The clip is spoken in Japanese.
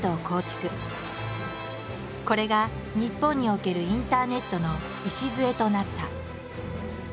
これが日本におけるインターネットの礎となった。